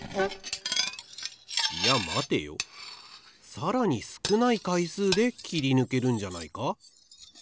さらにすくないかいすうで切りぬけるんじゃないか？